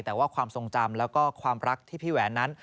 แต่ว่าความทรงจำแล้วก็ความรักที่พี่แหวนนั้น